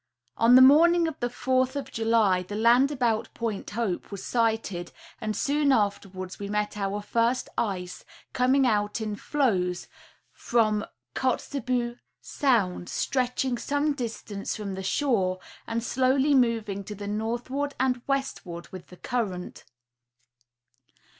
On the morning of the 4th of July the land about Point Hope was sighted and soon afterwards we met our first ice, coming out in floes from Kotzebue sound, stretching some distance from the shore and slowly moving to the northward and westward with the current.